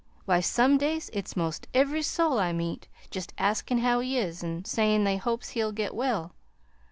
Why, some days it's 'most ev'ry soul I meet, jest askin' how he is, an' sayin' they hopes he'll git well.